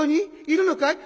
いるのかい？